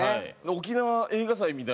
沖縄映画祭みたいな。